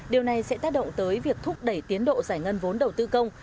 điều này sẽ tác động tới việc thúc đẩy tiến độ giải ngân vốn đầu tư công